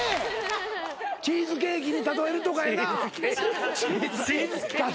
チーズケーキに例えるとかやな何かに例え。